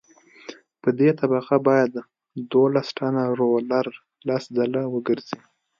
په دې طبقه باید دولس ټنه رولر لس ځله وګرځي